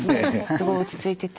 すごい落ち着いてて。